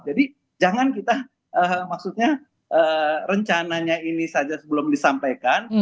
jadi jangan kita maksudnya rencananya ini saja belum disampaikan